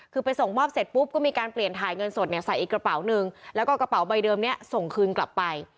คือไปส่งมอบเสร็จปุ๊บก็มีการเปลี่ยนถ่ายเงินสดเนี่ยใส่อีกกระเป๋าหนึ่งแล้วก็กระเป๋าใบเดิมนี้ส่งคืนกลับไป